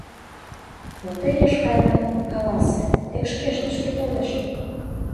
Но тый Яшпайлан каласе: тек шкеже тышке толеш.